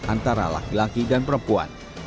antara laki laki dan perempuan